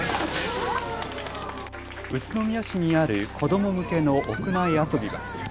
宇都宮市にある子ども向けの屋内遊び場。